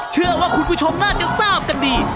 เชื่อว่าคุณผู้ชมน่าจะทราบกันดี